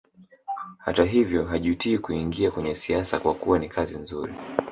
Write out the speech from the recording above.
Hata hivyo hajutii kuingia kwenye siasa kwa kuwa ni kazi nzuri